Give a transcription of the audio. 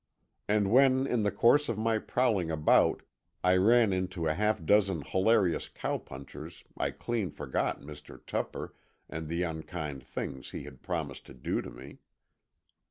And when, in the course of my prowling about, I ran into a half dozen hilarious cowpunchers I clean forgot Mr. Tupper and the unkind things he had promised to do to me.